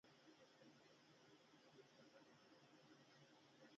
د بندیانو لپاره مدیران او کاتبان مقرر شوي وو.